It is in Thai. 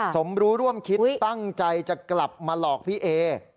สมรู้ร่วมคิดตั้งใจจะกลับมาหลอกพี่เอ